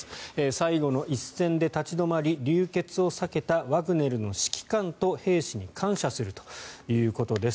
最後の一線で立ち止まり流血を避けたワグネルの指揮官と兵士に感謝するということです。